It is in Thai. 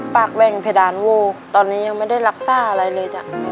แว่งเพดานวูบตอนนี้ยังไม่ได้รักษาอะไรเลยจ้ะ